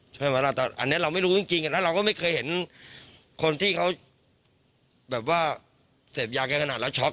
ใช่ไหมล่ะแต่อันนี้เราไม่รู้จริงแล้วเราก็ไม่เคยเห็นคนที่เขาแบบว่าเสพยากันขนาดแล้วช็อก